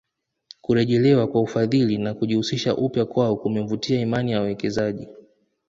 Kurejelewa kwa ufadhili na kujihusisha upya kwao kumevutia imani ya wawekezaji